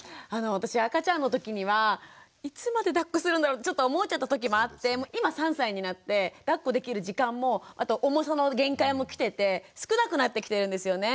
私赤ちゃんの時にはいつまでだっこするんだろうってちょっと思っちゃった時もあって今３歳になってだっこできる時間もあと重さの限界も来てて少なくなってきてるんですよね。